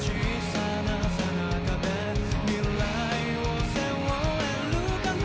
「未来を背負えるかな？」